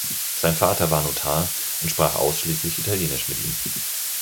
Sein Vater war Notar und sprach ausschließlich Italienisch mit ihm.